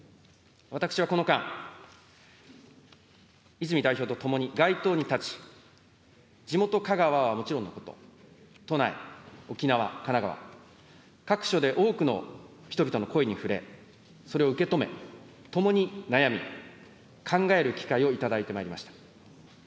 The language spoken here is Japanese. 私はこの間、泉代表と共に街頭に立ち、地元香川はもちろんのこと、都内、沖縄、神奈川、各所で多くの人々の声に触れ、それを受け止め、共に悩み、考える機会を頂いてまいりました。